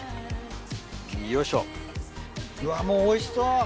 うわもうおいしそう！